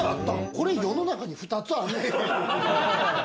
これ、世の中に２つあるん？